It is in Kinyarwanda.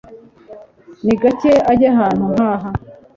Ni gake ajya ahantu nkaha